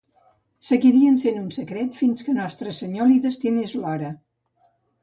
Seguirien sent un secret fins que Nostre Senyor li destinés l'hora